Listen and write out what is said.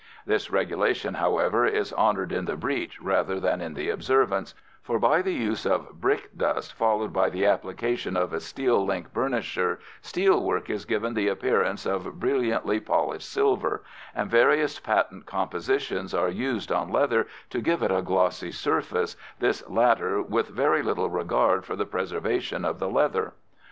This regulation, however, is honoured in the breach rather than in the observance, for by the use of brick dust followed by the application of a steel link burnisher steel work is given the appearance of brilliantly polished silver, and various patent compositions are used on leather to give it a glossy surface, this latter with very little regard for the preservation of the leather.